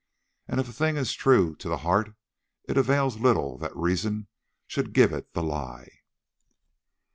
And if a thing is true to the heart, it avails little that reason should give it the lie.